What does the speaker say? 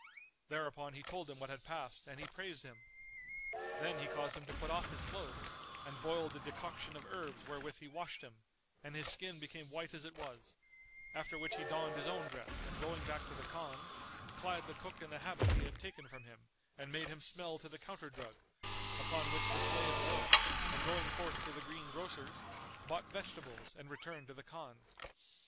Thereupon he told him what had passed and he praised him. Then he caused him to put off his clothes and boiled a decoction of herbs wherewith he washed him, and his skin became white as it was; after which he donned his own dress and going back to the Khan, clad the cook in the habit he had taken from him and made him smell to the counter drug; upon which the slave awoke and going forth to the greengrocer's, bought vegetables and returned to the Khan.